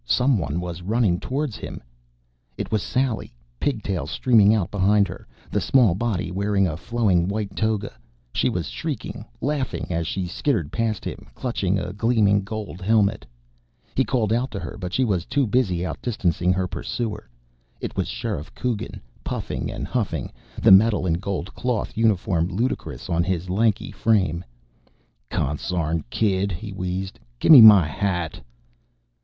Someone was running towards him. It was Sally, pigtails streaming out behind her, the small body wearing a flowing white toga. She was shrieking, laughing as she skittered past him, clutching a gleaming gold helmet. He called out to her, but she was too busy outdistancing her pursuer. It was Sheriff Coogan, puffing and huffing, the metal and gold cloth uniform ludicrous on his lanky frame. "Consarn kid!" he wheezed. "Gimme my hat!"